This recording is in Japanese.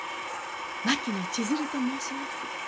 槙野千鶴と申します。